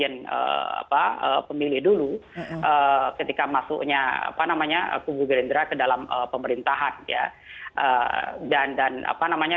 karena sebagian pemilih dulu ketika masuknya kubu gerindra ke dalam pemerintahan ya